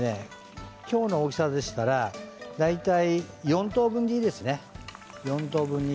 今日の大きさでしたら大体４等分でいいですね。